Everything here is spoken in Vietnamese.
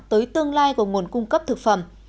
tới tương lai của nguồn cung cấp thực phẩm